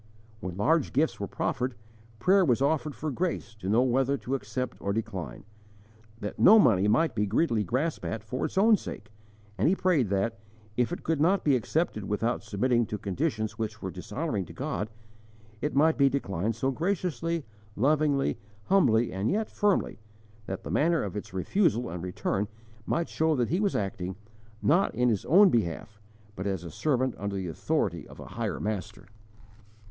When large gifts were proffered, prayer was offered for grace to know whether to accept or decline, that no money might be greedily grasped at for its own sake; and he prayed that, if it could not be accepted without submitting to conditions which were dishonouring to God, it might be declined so graciously, lovingly, humbly, and yet firmly, that the manner of its refusal and return might show that he was acting, not in his own behalf, but as a servant under the authority of a higher Master.